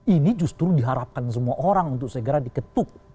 ini justru diharapkan semua orang untuk segera diketuk